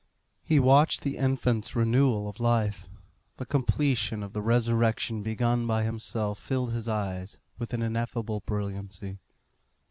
He watched the infant's renewal of life; the completion of the resurrection begun by himself filled his eyes with an ineffable brilliancy.